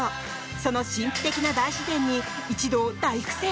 その神秘的な大自然に一同、大苦戦。